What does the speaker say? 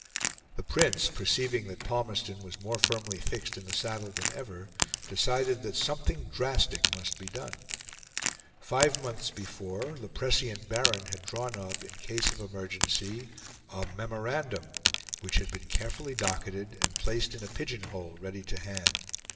The Prince, perceiving that Palmerston was more firmly fixed in the saddle than ever, decided that something drastic must be done. Five months before, the prescient Baron had drawn up, in case of emergency, a memorandum, which had been carefully docketed, and placed in a pigeon hole ready to hand.